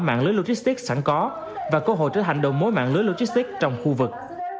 mạng lưới logistics sẵn có và cơ hội trở thành đầu mối mạng lưới logistics trong khu vực